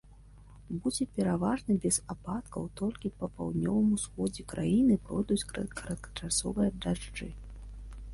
Будзе пераважна без ападкаў, толькі па паўднёвым усходзе краіны пройдуць кароткачасовыя дажджы.